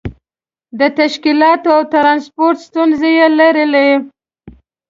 د تشکیلاتو او ترانسپورت ستونزې یې لرلې.